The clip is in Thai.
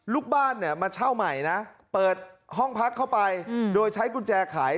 ลูกบ้านเนี่ยมาเช่าใหม่นะเปิดห้องพักเข้าไปโดยใช้กุญแจขาย